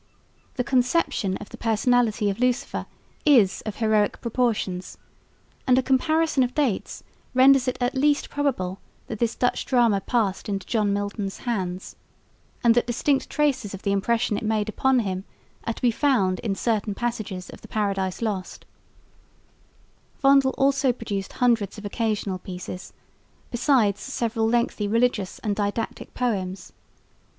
The conception of the personality of Lucifer is of heroic proportions; and a comparison of dates renders it at least probable that this Dutch drama passed into John Milton's hands, and that distinct traces of the impression it made upon him are to be found in certain passages of the Paradise Lost. Vondel also produced hundreds of occasional pieces, besides several lengthy religious and didactic poems.